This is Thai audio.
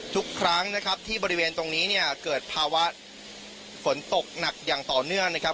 ทุกครั้งนะครับที่บริเวณตรงนี้เนี่ยเกิดภาวะฝนตกหนักอย่างต่อเนื่องนะครับ